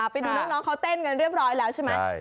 ไปดูน้องเขาเต้นกันเรียบร้อยแล้วใช่ไหม